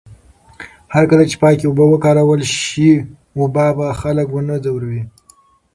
هرکله چې پاکې اوبه وکارول شي، وبا به خلک ونه ځوروي.